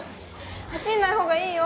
走んないほうがいいよ